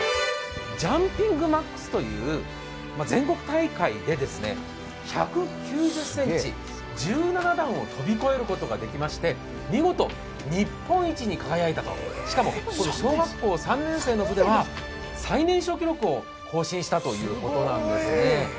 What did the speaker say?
ジャンピングＭＡＸという全国大会で１９０ｃｍ、１７段を飛び越えることができまして見事日本一に輝いた、しかも小学校３年生の部では最年少記録を更新したということです。